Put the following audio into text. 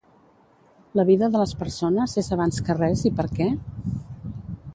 La vida de les persones és abans que res i per què?